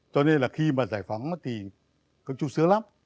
cho nên là khi mà giải phóng thì có chút sướng lắm